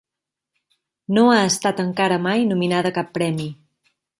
No ha estat encara mai nominada a cap premi.